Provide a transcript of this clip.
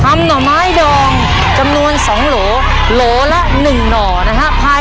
ทำหน่อไม้ดองจำนวนสองโหล่โหล่ละหนึ่งหน่อนะฮะ